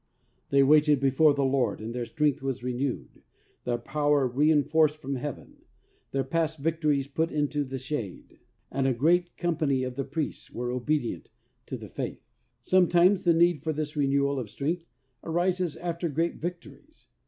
They waited before the Lord and their strength was renewed, their power rein forced from Heaven, their past victories put into the shade and "a great com pany of the priests were obedient to the faith." Sometimes the need for this renewal of strength arises after great victories.